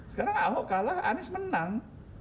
sekarang ahok kalah anies menang